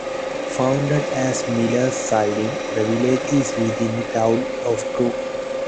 Founded as Miller's Siding, the village is within the town of True.